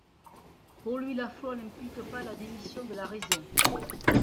Pour lui, la foi n’implique pas la démission de la raison.